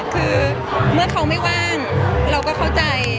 คือเมื่อเขาไม่ว่างเราก็เข้าใจ